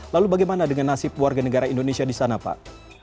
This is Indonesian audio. lalu bagaimana dengan nasib warga negara indonesia di sana pak